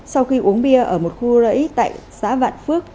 sau khi uống bia ở một khu rẫy tại xã vạn phước